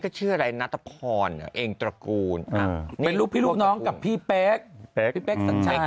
ก็เชื่ออะไรนะตะนเองตระกูลเป็นลูกพี่ลอกน้องกับพี่เป๊กเป๊ก